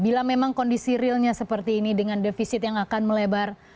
bila memang kondisi realnya seperti ini dengan defisit yang akan melebar